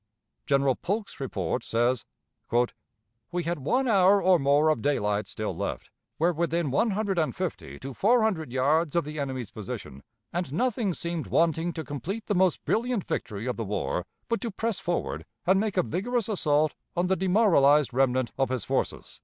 General Polk's report says: "We had one hour or more of daylight still left, were within one hundred and fifty to four hundred yards of the enemy's position, and nothing seemed wanting to complete the most brilliant victory of the war but to press forward and make a vigorous assault on the demoralized remnant of his forces."